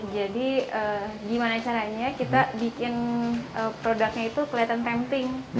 jadi gimana caranya kita bikin produknya itu kelihatan tempting